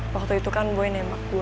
waktu itu kan boy nembak